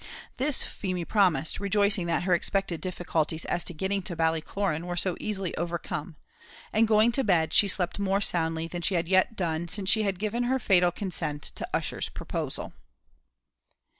This Feemy promised, rejoicing that her expected difficulties as to getting to Ballycloran were so easily overcome, and going to bed, she slept more soundly than she had yet done since she had given her fatal consent to Ussher's proposal.